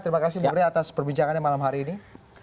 terima kasih bung rey atas perbincangannya malam hari ini